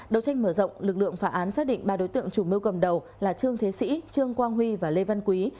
đầu tranh mở rộng lực lượng phá án xác định ba đối tượng chủ mưu cầm đầu là trương thế sĩ trương quang huy và lê văn quý